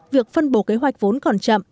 việc phân bổ kế hoạch vốn còn chậm